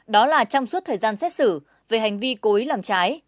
đó là trong suốt thời gian xét xử về hành vi cố ý làm trái